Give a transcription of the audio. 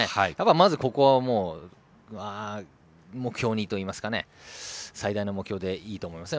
まずここは目標にというか最大の目標でいいと思います。